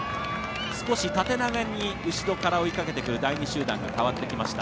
少し縦長に後ろから追いかけてくる第２集団が変わってきました。